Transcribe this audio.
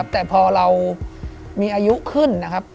แต่พอเรามีอายุขึ้นนี้